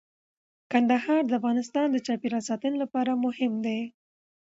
کندهار د افغانستان د چاپیریال ساتنې لپاره مهم دی.